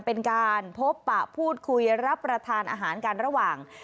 เป็นการพบปะพูดคุยรับประทานอาหารกันระหว่าง